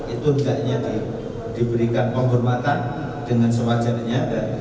itu hendaknya diberikan pembermatan dengan sewajarnya ada